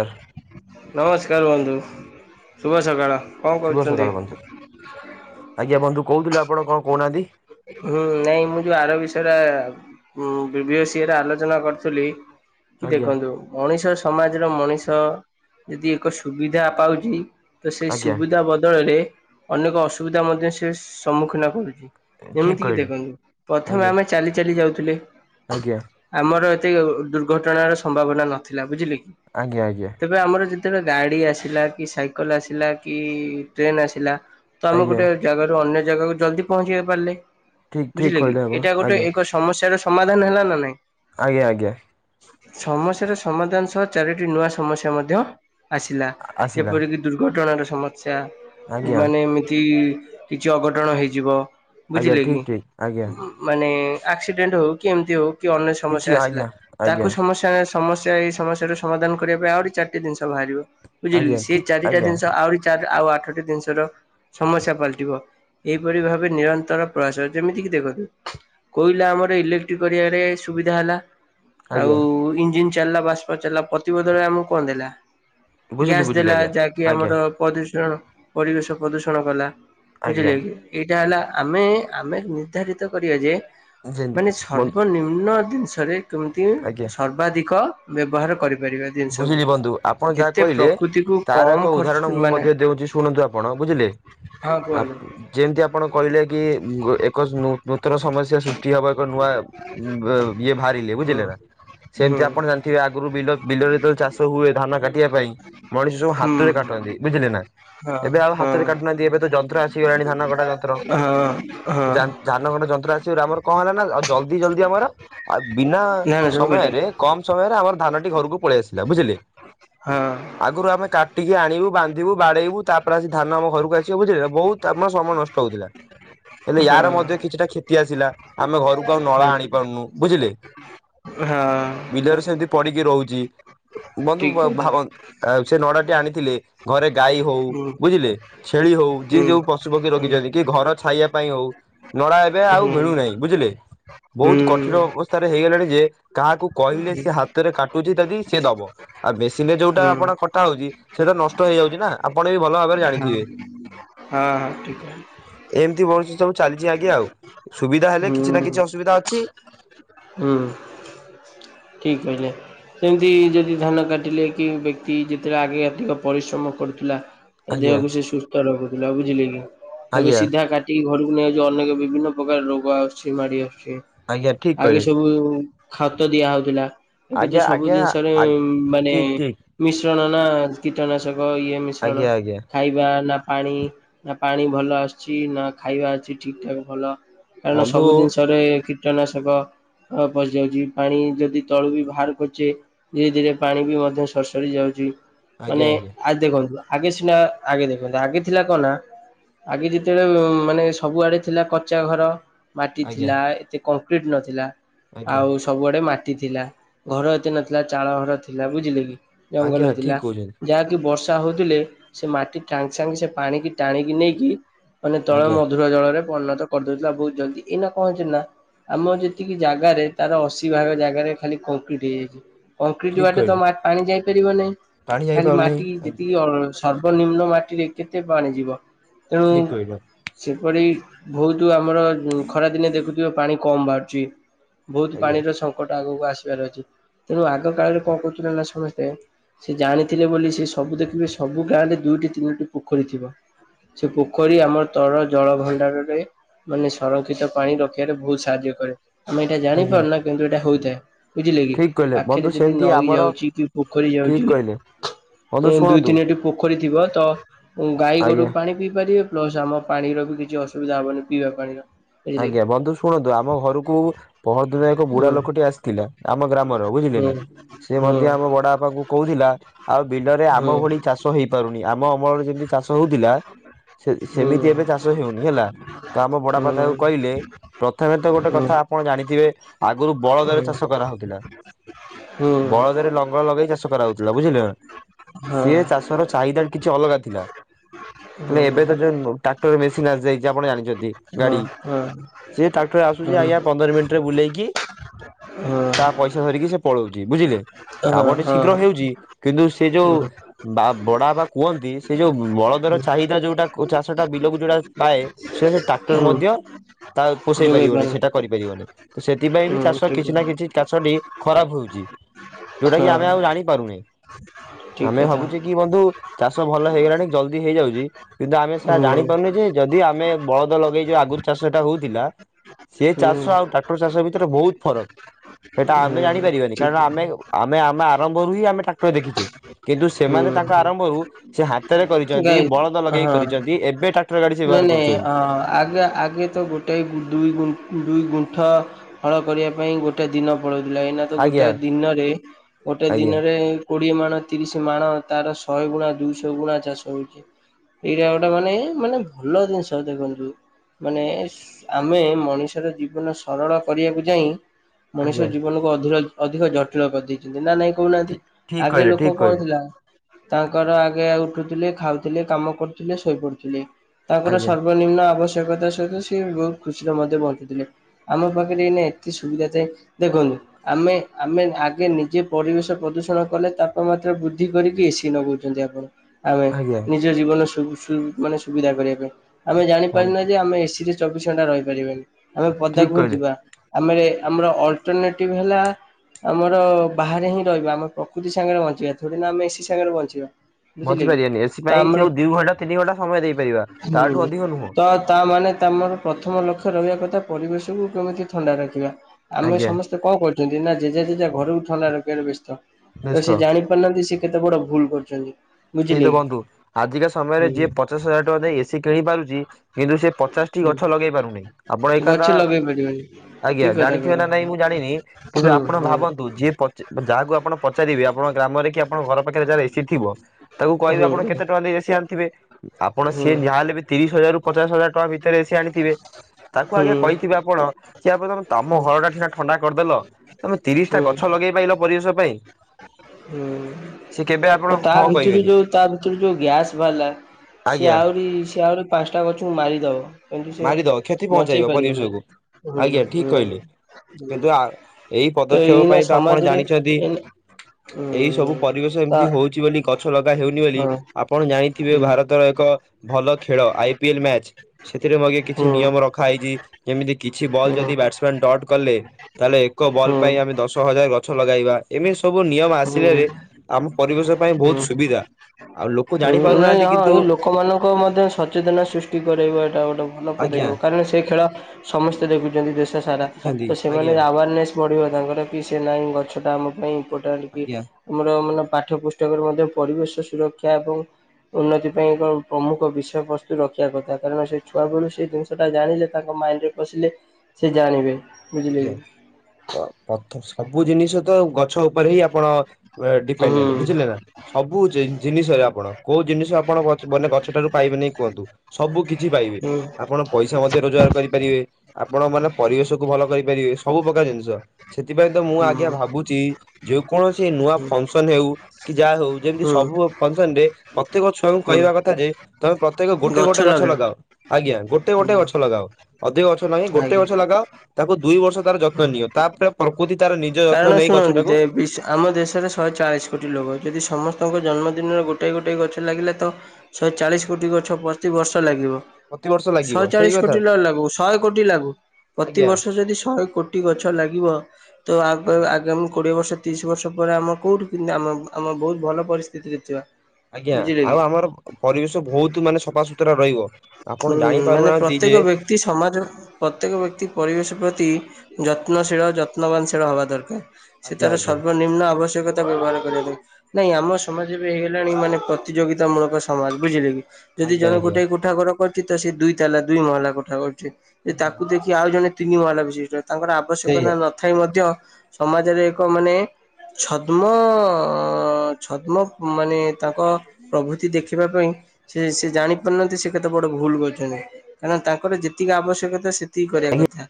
ଵା ନମସ୍କାର ବନ୍ଧୁ ଶୁଭ ସକାଳ। କଣ ଶୁଭ କରୁଛନ୍ତି? ସକାଳ ବନ୍ଧୁ। ଆଜ୍ଞା ବନ୍ଧୁ କହୁଥିଲେ ଆପଣ କଣ କହୁନାହାନ୍ତି? ହୁଁ ନାଇଁ ମୁଁ ଯୋଉ ଆର ବିଷୟଟା ପ୍ରିବିୟସ ଇଏରେ ଆଲୋଚନା କରୁଥିଲି କି ଆଜ୍ଞା ଦେଖନ୍ତୁ ମଣିଷ ସମାଜର ମଣିଷ ଯଦି ଏକ ସୁବିଧା ପାଉଛି ତ ସେ ଆଜ୍ଞା ସୁବିଧା ବଦଳରେ ଅନେକ ଅସୁବିଧା ମଧ୍ୟ ସେ ସମ୍ମୁଖୀନ କରୁଛି ଠିକ ଯେମିତି କିି କହିଲେ ଦେଖନ୍ତୁ ପ୍ରଥମେ ଆଜ୍ଞା ଆମେ ଚାଲି ଚାଲି ଯାଉଥିଲେ ଆଜ୍ଞା ଆମର ଏତେ ଦୁର୍ଘଟଣାର ସମ୍ଭାବନା ନଥିଲା ବୁଝିଲେ କି? ଆଜ୍ଞା ଆଜ୍ଞା। ଏବେ ଆମର ଯେତେବେଳେ ଗାଡି ଆସିଲା କି ସାଇକେଲ ଆସିଲା କି ଟ୍ରେନ ଆସିଲା ତ ଆମେ ଆଜ୍ଞା ଗୋଟେ ଜାଗାରୁ ଅନ୍ୟ ଜାଗାକୁ ଜଲ୍ଦି ପହଞ୍ଚିଇ ପାରିଲେ ଠିକ ଠିକ ବୁଝିଲେ କି କହିଲେ ଆପଣ ଏଇଟା ଗୋଟେ ଆଜ୍ଞା ଏକ ସମସ୍ୟାର ସମାଧାନ ହେଲା ନା ନାଇଁ ଆଜ୍ଞା ଆଜ୍ଞା। ସମସ୍ୟାର ସମାଧାନ ସହ ଚାରିଟି ନୂଆ ସମସ୍ୟା ମଧ୍ୟ ଆସିଲା ଆସିଲା ଯେପରିକି ଦୁର୍ଘଟଣାର ସମସ୍ୟା ଆଜ୍ଞା ମାନେ ଏମିତି କିଛି ଅଘଟଣ ହେଇଯିବ ଆଜ୍ଞା ବୁଝିଲେ ଠିକ କି ଠିକ ଆଜ୍ଞା ମାନେ ଆକ୍ସିଡେଣ୍ଟ ହଉ କି ଏମିତି ହଉ କି ଅନ୍ୟ କିଛି ସମସ୍ୟା ଆସିଲା ଆଜ୍ଞା ତାକୁ ଆଜ୍ଞା ସମସ୍ୟା ସମସ୍ୟା ଏଇ ସମସ୍ୟା ର ସମାଧାନ କରିବା ପାଇଁ ଆହୁରି ଚାରିଟି ଜିନିଷ ବାହାରିବ ବୁଝିଲୁ ଆଜ୍ଞା ସେ ଠିକ ଚାରିଟା ଆଜ୍ଞା ଜିନିଷ ଆହୁରି ଚାର ଆଉ ଆଠଟି ଜିନିଷର ସମସ୍ୟା ପାଲଟିବ ଏହିପରି ଭାବେ ନିରନ୍ତର ନ୍ତର ତାର ପ୍ରୟାସ ଯେମିତିକି ଦେଖନ୍ତୁ କୋଇଲା ଆମର ଇଲେଟ୍ରିକ କରିବାରେ ସୁବିଧା ହେଲା ଆଉ ଆଜ୍ଞା ଇଞ୍ଜିିନ ଚାଲିଲା ବାଷ୍ପ ଚାଲିଲା ପ୍ରତିବଦଳରେ ଆମକୁ କଣ ଦେଲା? ବୁଝିଲି ଗ୍ୟାସ ବୁଝିଲି ଦେଲା ଆଜ୍ଞା ଯାହାକି ଆଜ୍ଞା ଆମର ପ୍ରଦୂଷଣ ପରିବେଶ ପ୍ରଦୂଷଣ କଲା। ଆଜ୍ଞା ବୁଝିଲେ କି ଏଇଟା ହେଲା ଆମେ ଆମେ ନିର୍ଦ୍ଧାରିତ କରିବା ଯେ ମାନେ ଯେମତି ସର୍ବନିମ୍ନ ଜିନିଷରେ କେମିତି ଆଜ୍ଞା ସର୍ବାଧିକ ବ୍ୟବହାର କରିପା ବୁଝିଲି ବନ୍ଧୁ ଆପଣ ଯାହା କହିଲେ ପ୍ରକୃତିକୁୁ ତାର କମ ଏକ ଖର୍ଚ୍ଚ ଉଦାହରଣ ମୁଁ ମାନେ ମଧ୍ୟ ଦେଉଛି ଶୁଣନ୍ତୁ ଆ ପଣ ବୁଝିଲେ ହଁ ଆ କୁହନ୍ତୁ? ଯେମିତି ଆପଣ କହିଲେ କି ଏକ ନୂତନ ସମସ୍ୟା ସୃଷ୍ଟି ହଵା ଏକ ନୂଆ ଇଏ ବାହାରିଲେ ହୁଁ ବୁଝିଲେ ନା ହୁଁ ସେମିତି ଆପଣ ଜାଣିଥିବେ ଆଗରୁ ବିଲ ଯେତେବେଳେ ଚାଷ ହୁଏ ଧାନ କାଟିବା ପାଇଁ ମଣିଷ ସବୁ ହୁଁ ହାତରେ କାଟନ୍ତି ବୁଝିଲେ ନା ହଁ ଏବେ ଆଉ ହଁ ହାତରେ କାଟୁନାହାନ୍ତି ଏବେ ତ ଯନ୍ତ୍ର ଆସିଗଲାଣି ଧାନ କଟା ଯନ୍ତ୍ର ହଁ ଅଁ ଧାନ କଟା ଯନ୍ତ୍ର ଆସିଵା ରୁ ଆମର କଣ ହେଲା ନା ଆଉ ଜଲଦି ଜଲଦି ଆମର ଆଉ ବିନା ନା ନା ସବୁ କାଟିଆ ସମୟରେ କମ ସମୟରେ ଆମର ଧାନଟି ଘରକୁ ପଳେଇ ଆସିଲା ବୁଝିଲେ ହଁ ଆଗରୁ ଆମେ କାଟିକି ଆଣିବୁ ବାନ୍ଧିବୁ ବାଡେଇବୁ ତାପରେ ଆସିକି ଧାନ ଆମ ଘରକୁ ଆସିବ ବୁଝିଲେ ବହୁତ ଆମ ସମୟ ନଷ୍ଟ ହଉଥିଲା। ହେଲେ ହଁ ୟାର ମଧ୍ୟ କିଛିଟା କ୍ଷତି ଆସିଲା ଆମେ ଘରକୁ ଆଉ ନଡା ହୁଁ ଆଣି ପାରୁନୁ ବୁଝିଲେ? ହଁ। ବିଲରେ ସେମତି ପଡିକି ରହୁଛି ବନ୍ଧୁ ଠିକ କଥା ଭାବନ୍ତୁ? ଆଉ ସେ ନଡାଟି ଆଣିଥିଲେ ଘରେ ଗାଈ ହଉ ହୁଁ ବୁଝିଲେ ଛେଳି ହଉ ହୁଁ ଯିଏ ଯୋଉ ପଶୁ ପକ୍ଷୀ ହୁଁ ରଖିଛନ୍ତି କି ଘର ଛାଇବା ପାଇଁ ହଉ ନଡା ଏବେ ଆଉ ହୁଁ। ମିଳୁନାହିଁ ବୁଝିଲେ ହୁଁ ବହୁତ କଠିନ ଅବସ୍ଥାରେ ହେଇଗଲାଣି ଯେ କାହାକୁ କହିଲେ ହୁଁ ସେ ହାତରେ କାଟୁଛି ଯଦି ସିଏ ଦବ ଆ ମେସିନରେ ଆଉ ଯୋଉଟା ହୁଁ ଆପଣ କଟା ହଉଛି ସେଟା ନଷ୍ଟ ହେଇଯାଉଛି ନା ଆପଣ ବି ଭଲ ଭାବରେ ହଁ ଜାଣିଥିବେ। ହଁ। ଏମିତି ବହୁତ ସବୁ ଚାଲିଛି ଆଜ୍ଞା ଆଉ ସୁବିଧା ହେଲେ କିଛି ନା ହୁଁ କିଛି ଅସୁବିଧା ଅଛି ହୁଁ ଠିକ କହିଲେ? ସେମିତି ଯଦି ଧାନ କାଟିଲେ କି ବ୍ୟକ୍ତି ଯେତେବେଳେ ଆଗେ ଅଧିକ ପରିଶ୍ରମ କରୁଥିଲା। ତା ଆଜ୍ଞା। ଦେହକୁ ସେ ସୁସ୍ଥ ରଖୁଥିଲା ଆଉ ବୁଝିଲେ କି? ଏବେ ଆଜ୍ଞା ସିଧା କାଟିକି ଘରକୁ ନେଇଆଯାଉ ଅନେକ ବିଭିନ୍ନ ପ୍ରକାର ରୋଗ ଆସୁଛି ମାଡି ଆସୁଛି? ଆଜ୍ଞା ଠିକ ଆଗେ କହିଲେ ସବୁ ଖତ ଦିଆ ହଉଥିଲା। ଏବେ ତ ଆଜ୍ଞା ସବୁ ଆଜ୍ଞା ଜିନିଷରେ ଆ ମାନେ ଠିକ ଠିକ ମିଶ୍ରଣ ନା କୀଟନାଶକ ଇଏ ମିଶ୍ରଣ ଆଜ୍ଞା ଆଜ୍ଞା ଖାଇବା ନା ପାଣି ନା ପାଣି ଭଲ ଆସୁଛି ନା ଖାଇବା ଅଛି ଠିକଠାକ ଭଲ। କାରଣ ବନ୍ଧୁ ସବୁ ଜିନିଷରେ କୀଟନାଶକ ପଶିଯାଉଛି ପାଣି ଯଦି ତଳୁ ବି ବାହାର କରୁଛେ ଧୀରେ ଧୀରେ ପାଣି ବି ମଧ୍ୟ ସରସରି ଯାଉଛି। ଆଜ୍ଞା ମାନେ ଆଜ୍ଞା ଆ ଦେଖନ୍ତୁ ଆଗେ ସନା ଆଗେ ଦେଖନ୍ତୁ ଆଗେ ଥିଲା କଣ ନା? ଆଗେ ଯେତେବେଳେ ମାନେ ସବୁଆଡେ ଥିଲା କଚା ଘର ମାଟି ଆଜ୍ଞା ଥିଲା ଏତେ କଂକ୍ରିଟ ନଥିଲା ଆଜ୍ଞା ଆଉ ସବୁଆଡେ ମାଟି ଥିଲା ଘର ଏତେ ନଥିଲା ଚାଳ ଘର ଥିଲା ବୁଝିଲେ କି ଆଜ୍ଞା ଜଙ୍ଗଲ ଥିଲା। ଠିକ କହୁଛନ୍ତି ଯାହାକି ବର୍ଷା ହେଉଥିଲେ ସେ ମାଟି ସାଙ୍ଗ ସାଙ୍ଗ ସେ ପାଣିକି ଟାଣିକି ନେଇକି ମାନେ ତଳ ଆଜ୍ଞା ମଧୁର ଜଳରେ ପରିଣତ କରିଦଉଥିଲା ବହୁତ ଜଲଦି ଏଇ ନା କଣ ହଉଛି ନା ଆମ ଯେତିକି ଜାଗାରେ ତାର ଅଶୀ ଭାଗ ଜାଗାରେ ଖାଲି କଂକ୍ରିଟ ହେଇଯାଇଛି। କଂକ୍ରିଟ ଠିକ ବାଟେ ତ କହିଲେ ପାଣି ଯାଇପାରିବ ନାହିଁ ପାଣି ଖାଲି ଯାଇପାରୁନାହିଁ ମାଟି ଆଜ୍ଞା ଯେତିକି ସର୍ବନିମ୍ନ ମାଟିରେ କେତେ ପାଣି ଯିବ? ତେଣୁ ଠିକ କହିଲେ ସେପରି ବହୁତ ଆମର ଖରାଦିନେ ଦେଖୁଥିବ ପାଣି କମ ବାହାରୁଛି ବହୁତ ଆଜ୍ଞା ପାଣିର ସଙ୍କ ଟ ଆଗକୁ ଆସିବାର ଅଛି ତେଣୁ ଆଗ କାଳରେ କଣ କରୁଥିଲ ନା ସମସ୍ତେ ସେ ଜାଣିଥିଲେ ବୋଲି ସେ ସବୁ ଦେଖିବେ ସବୁ ଗାଁ ରେ ଦୁଇଟି ତିନିଟି ପୋଖରୀ ଥିବ। ସେ ପୋଖରୀ ଆମର ତର ଜଳ ଭଣ୍ଡାରରେ ମାନେ ସଂରକ୍ଷିତ ପାଣି ରଖିବାଗରେ ବହୁତ ସାହାଯ୍ୟ କରେ ଆମେ ଏଇଟା ଆଜ୍ଞା ଜାଣିପାରୁନା କିନ୍ତୁ ଏଇଟା ହଥାଏ ବୁଝିଲେ କି ଠିକ କହିଲେ ପାଖରେ ବନ୍ଧୁ ଯଦି ସେମିତି ନଈ ଆମର ଯାଉଛି କି ପୋଖରୀ ଠିକ କହିଲେ ବନ୍ଧୁ ଯାଉଛନ୍ତି। ଦୁଇ ଶୁଣନ୍ତୁ ତିନିଟି ପୋଖରୀ ଥିବ ତ ଗାଈ ଗୋରୁ ଆଜ୍ଞା ପାଣି ପିଇ ପାରିବେ ପ୍ଲସ୍ ଆମ ପାଣିର ବି କିଛି ଅସୁବିଧା ହବନି ପିଇବା ପାଣିର। ବୁଝିଲେ କି? ଆଜ୍ଞା ବନ୍ଧୁ ଶୁଣନ୍ତୁ ଆମ ଘରକୁ ପହର ଦିନ ଏକ ହୁଁ ବୁଢା ଲୋକଟି ଆସିଥିଲା ଆମ ଗ୍ରାମର ହୁଁ ବୁଝିଲେ ନା? ସେ ହୁଁ ମଧ୍ୟ ଆମ ବଡାବାପାଙ୍କୁ କହୁଥିଲା ଆଉ ବିଲରେ ହୁଁ ଆମ ଭଳି ଚାଷ ହେଇପାରୁନି ଆମ ଅମଳରେ ଯେମତି ଚାଷ ହଉଥିଲା। ସେ ହୁଁ ସେମିତି ଏବେ ଚାଷ ହଉନି ହେଲା ତ ଆମ ହୁଁ ବଡପା ତାକୁ କହିଲେ ପ୍ରଥମେ ତ ଗୋଟେ ହୁଁ କଥା ଆପଣ ଜାଣିଥିବେ? ଆଗରୁ ହୁଁ ହୁଁ ବଳଦରେ ହଁ ଚାଷ କରାହଉଥିଲା। ହୁଁ ବଳଦରେ ଲଙ୍ଗଳ ଲଗେଇ ଚାଷ କରାହଉଥିଲା ବୁଝିଲେ? ହଁ ସିଏ ଚାଷର ଚାହିଦା କିଛି ଅଲଗା ଥିଲା। କ ଏବେ ତ ହଁ ଯୋଉ ଟ୍ରାକ୍ଟର ମେସିନ ଆସିଯାଇଛି ଆପଣ ଜାଣିଛନ୍ତି ଗାଡି। ହୁଁ। ସେ ଟାକ୍ଟର ଆସୁଛି ଆଜ୍ଞା ପନ୍ଦର ମିନିଟରେ ବୁଲେଇ ହଁ ତା ପଇସା ଧରିକି ସେ ପଳଉଛି ବୁଝିଲେ କାମଟି ଶୀଘ୍ର ହୁଁ ହଉଛି କିନ୍ତୁ ସେ ଯୋଉ ବା ବଡାବା କୁହନ୍ତି ସେ ଯୋଉ ବଳଦର ଚାହିଦା ଯୋଉଟା ଚାଷଟା ବିଲକୁ ଯୋଉଟା ପାଏ ସେଟା ସେ ଟ୍ରାକ୍ଟର ହୁଁ ମଧ୍ୟ ତା ପୋଷେଇ ଗୋଟେ ପାରିବନି କହିପାରୁନି ସେଇଟା କରିପାରିବନି। ତ ସେଥିପାଇଁ ବି ହୁଁ ଚାଷ ଠିକ୍ କିଛି ନା କିଛି ଚାଷଟି ଖରାପ ହଉଛି। ଯୋଉଟା ହଁ କି ଆମେ ଆଉ ଜାଣିପାରୁନେ। ଠିକ୍ ଆମେ କଥା ଭାବୁଛେ କି ବନ୍ଧୁ ଚାଷ ଭଲ ହେଇଗଲାଣି ଜଲଦି ହେଇଯାଉଛି। କିନ୍ତୁ ଆମେ ସେ ହୁଁ ଜାଣିପାରୁନି ଯେ ଯଦି ଆମେ ବଳଦ ଲଗେଇ ଯଉ ଆଗରୁ ଚାଷଟା ହଉଥିଲା, ସେ ହୁଁ ଚାଷ ଆଉ ଟ୍ରାକ୍ଟର ଚାଷ ଭିତରେ ବହୁତ୍ ଫରକ। ସେଇଟା ଆମେ ହୁଁ ଜାଣିପାରିବାନି, କାରଣ ଠିକ୍ ଆମେ ଆମେ ଆମେ ଆରମ୍ଭରୁ ହିଁ ଆମେ ଟ୍ରାକ୍ଟର ଦେଖିଛେ। କିନ୍ତୁ, ସେମାନେ ତାଙ୍କ ହୁଁ ଆରମ୍ଭରୁ ସେ ହାତରେ କରିଛନ୍ତି, ବଳଦ ଲଗେଇ କରିଛନ୍ତି, ଏବେ ଗାଡି ସେ ନାଇଁ, ବ୍ୟବହାର ନାଇଁ, କରୁଛନ୍ତି ଅ ଆଗେ, ଆଗେ ତ ଗୋଟାଏ ଦୁଇ ଦୁଇ ଗୁଣ୍ଠ ହଳ କରିବା ପାଇଁ ଗୋଟଏ ଦିନ ପଳଉଥିଲା, ଏଇନା ତ ଆଜ୍ଞା ଗୋଟେ ଦିନରେ, ଗୋଟେ ଆଜ୍ଞା ଦିନରେ କୋଡିଏ ମାଣ, ତିରିଶ ମାଣ, ତାର ଶହେ ଗୁଣା ଦୁଇଶହ ଗୁଣା ଚାଷ ହଉଛି। ଏଇଟା ଗୋଟେ ମାନେ, ମାନେ ଭଲ ଜିନିଷ ଦେଖନ୍ତୁ। ମାନେ, ଆମେ ମଣିଷର ଜୀବନ ସରଳ କରିବାକୁ ଯାଇ, ଆଜ୍ଞା ମଣିଷ ଜୀବନକୁ ଅଧିକ ଅଧିକ ଜଟିଳ କରିଦେଇଛନ୍ତି। ନା ନାଇଁ କହୁନାହାନ୍ତି, ଠିକ ଠିକ ଆଗେ କହିଲେ ଠିକ ଲୋକ କଣ କହିଲେ। ଥିଲା ତାଙ୍କର ଆଗେ ଉଠୁଥିଲେ, ଖାଉଥିଲେ, କାମ କରୁଥିଲେ, ଶୋଇପଡୁଥିଲେ। ତାଙ୍କର ଆଜ୍ଞା ସର୍ବ ନିମ୍ନ ଆବଶ୍ୟକତା ସହିତ ସିଏ ବହୁତ୍ ଖୁସିରେ ମଧ୍ୟ ବଞ୍ଚୁଥିଲେ। ଆମ ପାଖ ରେ ଏଇନେ ଏତେ ସୁବିଧା ଥାଇକି, ଦେଖନ୍ତୁ ଆମେ ଆମେ ଆଗେ ନିଜେ ପରିବେଶ ପ୍ରଦୂଷଣ କଲେ, ତାପମାତ୍ରା ବୃଦ୍ଧି କରିକି ଏ ସିି ନଗଉ ଯଦି ଆପଣ ଆମେ ଆଜ୍ଞା ନିଜ ଜୀବନ, ମାନେ ସୁବିଧା କରିବା ପାଇଁ, ଆମେ ହଁ ଜାଣିପାରୁ ନେ ଯେ, ଆମେ ଏସିରେ ଚବିଶ ଘଣ୍ଟା ରହିପାରିବାନି, ଆମେ ଠିକ ପଦାକୁ ହିଁ କହିଲେ। ଯିବା! ଆମେ, ଆମର ଅଲଟରନେଟିଭ୍ ହେଲା ଆମର ବାହାରେ ହିଁ ରହିବା, ଆମର ପ୍ରକୃତି ସାଙ୍ଗରେ ବଞ୍ଚିବା, କେତେ ଦିନ ଆମେ ଏସି ସାଙ୍ଗରେ ବଞ୍ଚିବା। ବଞ୍ଚି ବୁଝିଲେ କି ପାରିବାନି ଏସି ତ ପାଇଁ ଆମର ଯୋଉ ଦି ଘଣ୍ଟା ତିନି ଘଣ୍ଟା ସମୟ ଦେଇପାରିବା ହୁଁ ତାଠୁ ଅଧିକ ନୁହଁ। ତ ତା ମାନେ ତମର ପ୍ରଥମ ଲକ୍ଷ୍ୟ ରହିବା କଥା ପରିବେଶକୁ କେମିତି ଥଣ୍ଡା ରଖିବା ଆମେ ଆଜ୍ଞା ସମସ୍ତେ କଣ କରୁଛନ୍ତି ନା ଜେଝା ଜେଝା ଘରକୁ ଥଣ୍ଡାରଖିବାରେ ବ୍ୟସ୍ତ ତ ନିଶ୍ଚୟ ସେ ଜାଣି ପାରୁନାହାନ୍ତି ସେ କେତେ ବଡ ଭୁଲ କରୁଛନ୍ତି। ସେଇ ବୁଝିଲେ ତ କି? ବନ୍ଧୁ ଆଜିକା ସମୟରେ ହୁଁ ଯିଏ ପଚାଶ ହଜାର ଟଙ୍କା ଦେଇ ଏସିି କିଣି ପାରୁଚି କିନ୍ତୁ ସେ ପଚାଶଟି ହୁଁ। ଗଛ ଲଗେଇ ପାରୁନି ଆପଣ ଗଛ ଏକାଦାର ଲଗେଇ ପାରିବାନି ଆଜ୍ଞା ଠିକ କଥା ଜାଣିଥିବେ କହିଲ ନା ନାଇଁ ମୁଁ ଜାଣିନି? କିନ୍ତୁ ହୁଁ ଆପଣ ହୁଁ। ଭାବନ୍ତୁ ଯିଏ ପଚା ଯାହାକୁ ଆପଣ ପଚାରିବେ ଆପଣ ଗ୍ରାମରେ କି ଆପଣଙ୍କ ଘର ପାଖରେ ଯାହାର ଏସି ଥିବ। ତାକୁ କହିବେ ହୁଁ ଆପଣ କେତେ ଟଙ୍କା ଦେଇ ଏସି ଆଣିଥିବେ। ଆପଣ ହୁଁ ସିଏ ଯାହା ହେଲେ ବି ତିରିଶ ହଜାର ରୁ ପଚାଶ ହଜାର ଟଙ୍କା ଭିତରେ ଏସି ଆଣିଥିବେ ତାକୁ ହୁଁ ଆଜ୍ଞା କହି ଖିବେ ଆପଣ ଯେ ଆପଣ ତମ ଘର ଟା ସିନା ଥଣ୍ଡା କରିଦେଲ ତମେ ତିରିଶ ଟା ହୁଁ। ଗଛ ଲଗେଇ ପାଇଲ ପରିବେଶ ପାଇଁ। ହୁଁ। ସିଏ କେବେ ତ ଆପଣ ତା ହଁ ଭିତରୁ କହିବେନି। ଯୋଉ ତା ଭିତରୁ ଯୋଉ ଗ୍ୟାସ୍ ବାହାରିଲା ସିଏ ଆଜ୍ଞା ଆହୁରି ସିଏ ଆହୁରି ପାଞ୍ଚଟା ଗଛକୁ ମାରିଦବ। କିନ୍ତୁ ସେ ମାରିଦବ କ୍ଷତି ବଞ୍ଚେଇ ପହଞ୍ଚେଇବ ପାରିବନି। ପରିବେଶକୁ ହୁଁ ଆଜ୍ଞା ହୁଁ ଠିକ କହିଲି। ହୁଁ କିନ୍ତୁ ଏଇ ତ ପଦକ୍ଷେପ ଏଇନା ପାଇଁ ତ ଆପଣ ସମାଜରେ ଜାଣିଛନ୍ତି। ଏଇନା ଏଇ ସବୁ ହୁଁ ପରିବେଶ ତ ଏମିତି ହଉଛି ବୋଲି ଗଛ ଲଗା ହେଉନି ବୋଲି ହଁ ଆପଣ ଜାଣିଥିବେ ହୁଁ ଭାରତର ଏକ ଭଲ ଖେଳ ଆଇ ପି ଏଲ ମ୍ୟାଚ ସେଥିରେ ମଧ୍ୟ କିଛି ହୁଁ ନିୟମ ରଖା ହେଇଛି ଯେମିତି କିଛି ବଲ୍ ଯଦି ହୁଁ ବ୍ୟାଟ୍ସମ୍ୟାନ୍ ଡଟ୍ କଲେ। ତାହେଲେ ଏକ ବଲ୍ ପାଇଁ ଆମେ ଦଶ ହଜାର ଗଛ ଲଗେଇବା ଏମିତି ସବୁ ନିୟମ ହୁଁ ହୁଁ ଆସିଗଲେ ଆମ ପରିବେଶ ପାଇଁ ବହୁତ ହୁଁ। ସୁବିଧା, ଆଉ ଲୋକ ହୁଁ ଜାଣି ନାଇଁ ପାରୁନାହାନ୍ତି ହଁ କିନ୍ତୁ ଏଇ ଲୋକମାନଙ୍କ ମଧ୍ୟ ସଚେତନ ସୃଷ୍ଟି କରାଇବ ଏଟା ଗୋଟେ ଭଲ ଆଜ୍ଞା ପଦକ୍ଷେପ କାରଣ ସେ ଖେଳ ସମସ୍ତେ ଦେଖୁଛନ୍ତି ଦେଶ ସାରା ଦେଖୁଛନ୍ତି ତ ସେମାନେ ଆଜ୍ଞା ଆଉ ଆୱାରନେସ ବଢିବ ତାଙ୍କର କି ସେ ନାଇଁ ଗଛଟା ଆମ ପାଇଁ ଇମ୍ପୋଟାଣ୍ଟ କି ଆଜ୍ଞା ଆମର ମାନେ ପାଠ୍ୟ ପୁସ୍ତକରେ ମଧ୍ୟ ପରିବେଶ ସୁରକ୍ଷା ଏବଂ ଉନ୍ନତି ପାଇଁ ଏକ ପ୍ରମୁଖ ବିଷୟବସ୍ତୁ ରଖିବା କଥା କାରଣ ସେ ଛୁଆବେଳୁ ସେ ଜିନିଷଟା ଜାଣିଲେ ତାଙ୍କ ମାଇଣ୍ଡରେ ପଶିଲେ ସେ ଜାଣିବେ। ବୁଝିଲେ ଆଜ୍ଞା କି? ତ ପଥ ସବୁ ଜିନିଷ ତ ଗଛ ଉପରେ ହିଁ ଆପଣ ହୁଁ ଡିପେଣ୍ଡେଡ୍ ବୁଝିଲେ ନା ସବୁ ଜିନିଷରେ ଆପଣ। କୋଉ ଜିନିଷ ଆପଣ ମାନେ ଗଛ ଠାରୁ ପାଇବେନି କୁହନ୍ତୁ ସବୁ କିଛି ପାଇବେ ହୁଁ ଆପଣ ପଇସା ମଧ୍ୟ ରୋଜଗାର କରିପାରିବେ ଆପଣ ମାନେ ପରିବେଶକୁୁ ଭଲ କରିପାରିବେ ସବୁ ପ୍ରକାର ଜିନିଷ ସେଥିପାଇଁ ତ ମୁଁ ହୁଁ ଆଜ୍ଞା ଭାବୁଛି ଯେ କୌଣସି ନୂଆ ହୁଁ ଫଙ୍କସନ ହଉ କି ଯାହା ହଉ ଯେମିତି ହୁଁ ସବୁ ଫଙ୍କସନରେ ପ୍ରତ୍ୟେକ ଛୁଆଙ୍କୁ ହୁଁ କହିବା କଥା ଯେ ତମେ ପ୍ରତ୍ୟେକ ଗୋଟେ ଗୋଟେ ଗଛ ଲଗାଅ ଆଜ୍ଞା ଗୋଟେ ଗୋଟେ ହୁଁ ଗଛ ଲଗାଅ। ଅଧିକ ଗଛ ନାହିଁ ଗୋଟେ ଆଜ୍ଞା। ଗଛ ଲଗାଅ ତାକୁ ଦୁଇ ବର୍ଷ ତାର ଯତ୍ନ ନିଅ ତାପରେ ପ୍ରକୃତି ତାର ନିଜ କାରଣ ଯତ୍ନ ନେଇ ଶୁଣନ୍ତୁ ଦେ ଗଛଟାକୁ ବିଶ ଆମ ଦେଶରେ ଶହେ ଚାଳିଶ କୋଟି ଲୋକ ଯଦି ସମସ୍ତଙ୍କ ଜନ୍ମଦିନର ଗୋଟେ ଗୋଟେ ଗଛ ଲାଗିଲା ତ ଶହେ ଚାଳିଶ କୋଟି ଗଛ ପ୍ରତି ବର୍ଷ ଲାଗିବ। ପ୍ରତିବର୍ଷ ଲାଗିବ ଶହେ ସେଇ ଚାଳିଶ କଥା କୋଟି ନ ଲାଗୁ ଶହେ କୋଟି ଲାଗୁ ଆଜ୍ଞା। ପ୍ରତିବର୍ଷ ଯଦି ଶହେ କୋ ଟି ଗଛ ଲାଗିବ। ତ ଆଗ ଆଗାମୀ କୋଡିଏ ବର୍ଷ ତିରିଶ ବର୍ଷ ପରେ ଆମ କୋଉଠୁ କି ଆମ ଆମ ବହୁତ ଭଲ ପରିସ୍ଥିତିରେ ଥିବା। ଆଜ୍ଞା ବୁଝିଲେ ଆଉ କି? ଆମର ପରିବେଶ ବହୁତ ମାନେ ସଫା ସୁୁତୁରା ରହିବ। ହୁଁ ଆପଣ ଜାଣି ମାନେ ପାରୁନାହାନ୍ତି ପ୍ରତ୍ୟେକ ଯେ ବ୍ୟକ୍ତି ସମାଜ ପ୍ରତ୍ୟେକ ବ୍ୟକ୍ତି ପରିବେଶ ପ୍ରତି ଯତ୍ନଶୀଳ ଯତ୍ନବାନଶ ଶିଳ ହବା ଦରକାର ସେ ଆଜ୍ଞା ତାର ଆଜ୍ଞା ସର୍ବନିମ୍ନ ଆବଶ୍ୟକତା ବ୍ୟବହାର କରିବା ପାଇଁ ନାଇଁ ଆମ ସମାଜ ଏବେ ହେଇଗଲାଣି ମାନେ ପ୍ରତିଯୋଗିତା ମୂଳକ ସମାଜ ବୁଝିଲେ କି? ଯଦି ଆଜ୍ଞା ଜଣେ ଆଜ୍ଞା ଗୋଟେଏ କୋଠା ଘର କରୁଛି ତ ସେ ଦୁଇ ତାଲା ଦୁଇ ମହଲା କୋଠା କରୁଛି ଆଜ୍ଞା ତାକୁ ଦେଖି କି ଆଉ ଜଣେ ତିନି ମହଲା ବିଶିଷ୍ଟ ତାଙ୍କର ସେଇଆ। ଆବଶ୍ୟକତା ନଥାଇ ମଧ୍ୟ ସମାଜରେ ଏକ ମାନେ ଛଦ୍ମ ଛଦ୍ମ ମାନେ ତାଙ୍କ ପ୍ରଭୃତି ଦେଖିବା ପାଇଁ ସେ ସେ ଜାଣିପାରୁ ନାହାନ୍ତି ସେ କେତେ ବଡ ଭୁଲ କରୁଛନ୍ତି। କାରଣ ତାଙ୍କର ଯେତିକି ଆବଶ୍ୟକତା ସେ ତିକି କରିବା କଥା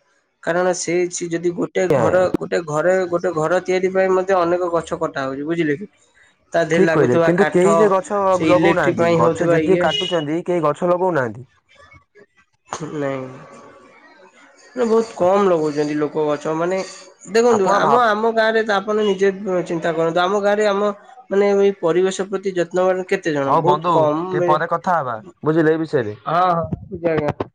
କାରଣ ସେ ସେ ଯଦି ଗୋଟେ ଆଜ୍ଞା ଘର ଗୋଟେ ଘରେ ଗୋଟେ ଘର ତିଆରି ପାଇଁ ମଧ୍ୟ ଅନେକ ଗଛ କଟା ହଉଛି ବୁଝିଲେ କି? ତା ଦେହରେ ଠିକ କହିଲେ ଲାଗୁଥିବା କିନ୍ତୁ କାଠ କେହି ଯେ ଗଛ ସେ ଇଲେକ୍ଟ୍ରିକ ଲଗଉନାହାନ୍ତି ପାଇଁ ଗଛ ହଉଥିବା ଯେତିକି ଇଏ କାଟୁଛନ୍ତି କେହି ଗଛ ଲଗଉନାହାନ୍ତି। ନାଇଁ ବହୁତ କମ ଲଗଉଛନ୍ତି ଲୋକ କୋଉ ଗଛ ମାନେ ଦେଖନ୍ତୁ ଆପଣ ଆମ ଭାବ ଆମ ଗାଁରେ ତ ଆପଣ ନିଜେ ଅ ଚିନ୍ତା କରନ୍ତୁ ଆମ ଗାଁରେ ଆମ ମାନେ ଏଇ ପରିବେଶ ପ୍ରତି ଯ ନହେଲେ କେତେ ଜଣ ହଉ ବହୁତ ବନ୍ଧୁ କମ୍ ଟିକେ ମିଳେ ପରେ କଥା ହବା ହଁ ବୁଝିଲେ ଏ ବିଷୟରେ। ହଁ ଆଜ୍ଞା ଆଜ୍ଞା।